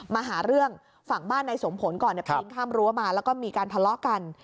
มาหาเรื่องฝั่งบ้านนายสมผลก่อนปีนข้ามรั้วมาแล้วก็มีการทะเลาะกัน